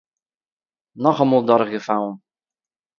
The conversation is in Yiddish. נאכאמאל דורכגעפאלן